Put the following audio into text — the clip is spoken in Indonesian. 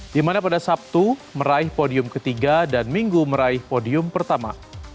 di mana pada sabtu meraih podium ketiga dan minggu meraih podium pertama